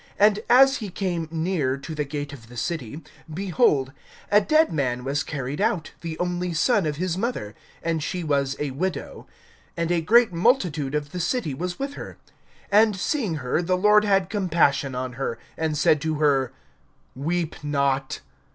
(12)And as he came near to the gate of the city, behold, a dead man was carried out, the only son of his mother, and she was a widow; and a great multitude of the city was with her. (13)And seeing her, the Lord had compassion on her, and said to her: Weep not.